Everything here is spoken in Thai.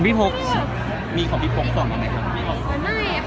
ไม่เป็นไร